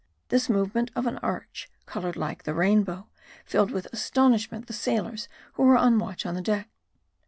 This movement of an arch, coloured like the rainbow, filled with astonishment the sailors who were on watch on the deck.